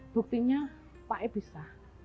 buktinya pak puger bisa